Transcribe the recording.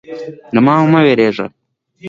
دوی له زرګونو کیلو مترو لیرې ځایه موږ ولي.